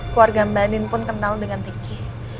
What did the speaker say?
keluarga mbak adin pun kenal dengan riki